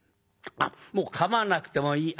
あっもうかまなくてもいい。